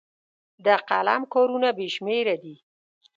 د قلم کارونه بې شمېره دي.